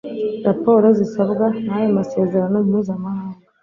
raporo zisabwa n'ayo masezerano mpuzamahanga